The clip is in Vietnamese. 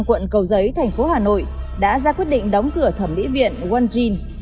quận cầu giấy thành phố hà nội đã ra quyết định đóng cửa thẩm mỹ viện onegene